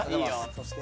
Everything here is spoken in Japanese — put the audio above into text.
そして？